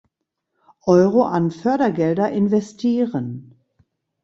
Euro an Fördergelder investieren.